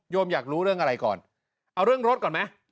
อยากรู้เรื่องอะไรก่อนเอาเรื่องรถก่อนไหม